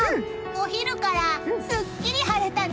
お昼からすっきり晴れたね！